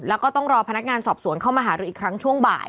แล้วก็ต้องรอพนักงานสอบสวนเข้ามาหารืออีกครั้งช่วงบ่าย